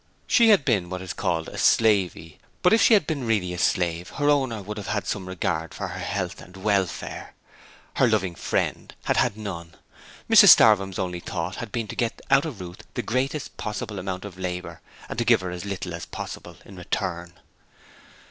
She had been what is called a 'slavey' but if she had been really a slave her owner would have had some regard for her health and welfare: her 'loving friend' had had none. Mrs Starvem's only thought had been to get out of Ruth the greatest possible amount of labour and to give her as little as possible in return.